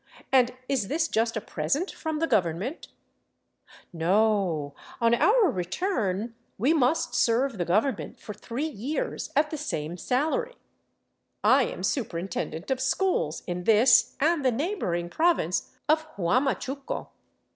And is this just a present from the govern ment ?"" No ; on our return we must serve the government for three years at the same salary. I am superintendent of schools in this and the neighboring province of Huamachuco."